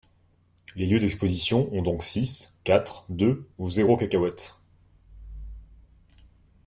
Les lieux d’exposition ont donc six, quatre, deux ou zéro cacahuètes.